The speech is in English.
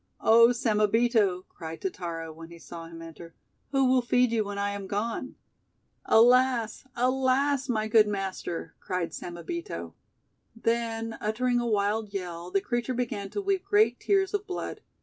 :eOh, Samebito," cried Totaro, when he saw him enter, "who will feed you when I am gone?' "Alas ! Alas ! My good master !'* cried Same bito. Then, uttering a wild yell, the creature began to weep great tears of blood.